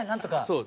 そう。